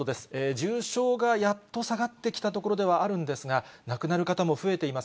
重症がやっと下がってきたところではあるんですが、亡くなる方も増えています。